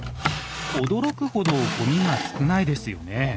驚くほどごみが少ないですよね。